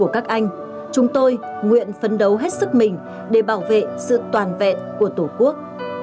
chúng tôi nguyện phấn đấu hết sức mình để bảo vệ sự toàn vẹn của tổ quốc